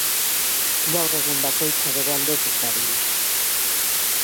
Gaur egun, bakoitza bere aldetik dabil.